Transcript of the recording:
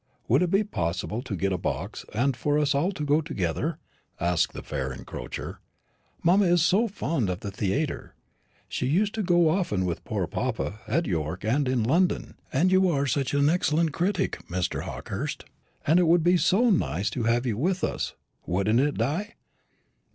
Would it be possible to get a box, and for us all to go together?" asked the fair encroacher; "mamma is so fond of the theatre. She used to go often with poor papa, at York and in London. And you are such an excellent critic, Mr. Hawkehurst, and it would be so nice to have you with us, wouldn't it, Di?